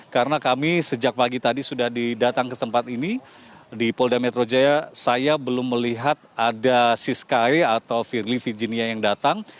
karena kami sejak pagi tadi sudah didatang ke tempat ini di polda metro jaya saya belum melihat ada siskae atau firli virginia yang datang